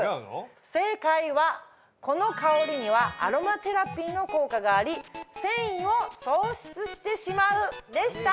正解は「この香りにはアロマテラピーの効果があり戦意を喪失してしまう」でした！